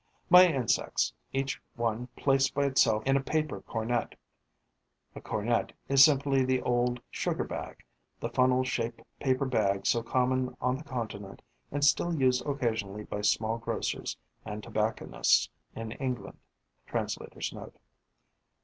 My insects, each one placed by itself in a paper cornet (A cornet is simply the old 'sugar bag,' the funnel shaped paper bag so common on the continent and still used occasionally by small grocers and tobacconists in England. Translator's Note.)